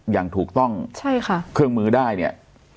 อย่างถูกต้องเครื่องมือได้